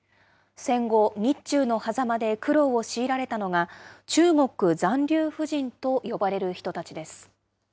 戦後、日中の狭間で苦労を強いられたのが、中国残留婦人と呼ばれる人たちです。